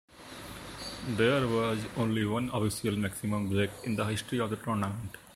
There was only one official maximum break in the history of the tournament.